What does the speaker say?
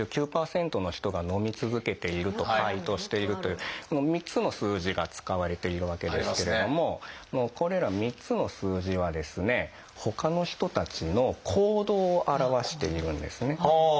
９９％の人が飲み続けている」と回答しているという３つの数字が使われているわけですけれどもこれら３つの数字はですねほかの人たちの行動を表しているんですね。